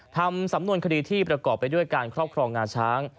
ทำสำนวนคดีที่ประกอบไปด้วยการครอบครองงาช้าง